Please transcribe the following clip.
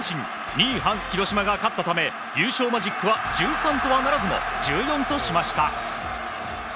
２位、広島が勝ったため優勝マジックは１３とはならずも１４としました。